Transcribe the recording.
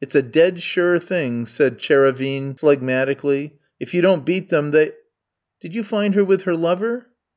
"It's a dead sure thing," said Tchérévine phlegmatically; "if you don't beat them they Did you find her with her lover?"